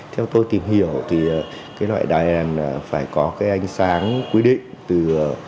theo tôi tìm hiểu thì cái loại đèn phải có cái ánh sáng quy định từ ba trăm linh